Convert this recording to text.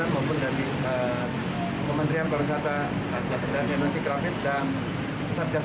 menampung pasien covid sembilan belas isolasi dari pemerintah kota jumat atau dari